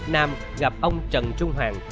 nam gặp ông trần trung hoàng